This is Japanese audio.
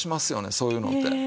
そういうのって。